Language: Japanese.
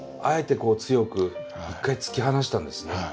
あえて強く１回突き放したんですね。